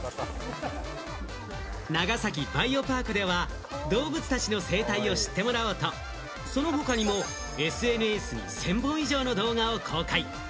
長崎バイオパークでは、動物たちの生態を知ってもらおうと、その他にもＳＮＳに１０００本以上の動画を公開。